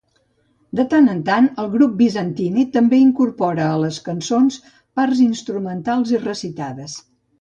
De tant en tant, el grup Byzantine també incorpora a les cançons parts instrumentals i recitades.